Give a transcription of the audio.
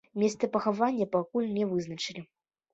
Месца пахавання пакуль не вызначылі.